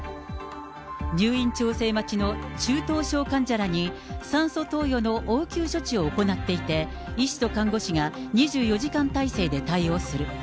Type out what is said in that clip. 入院調整待ちの中等症患者らに、酸素投与の応急処置を行っていて、医師と看護師が２４時間態勢で対応する。